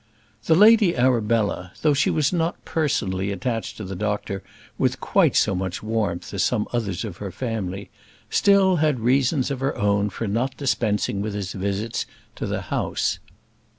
The Lady Arabella, though she was not personally attached to the doctor with quite so much warmth as some others of her family, still had reasons of her own for not dispensing with his visits to the house.